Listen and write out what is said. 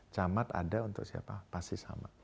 camat ada untuk siapa pasti sama